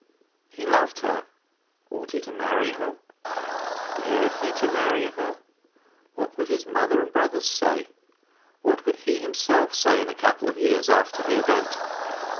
He loved her; ought he to marry her? Dared he to marry her? What would his mother and his brothers say? What would he himself say a couple of years after the event?